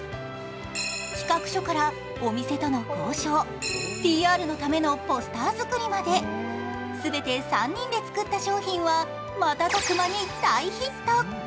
企画書からお店との交渉ＰＲのためのポスター作りまで全て３人で作った商品は瞬く間に大ヒット。